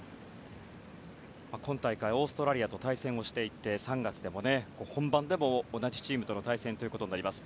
今大会、オーストラリアと対戦をしていて３月の本番でも同じチームとの対戦となります。